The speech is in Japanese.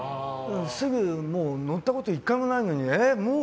もう乗ったこと１回もないのにもう？